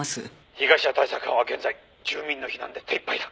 「被害者対策班は現在住民の避難で手いっぱいだ」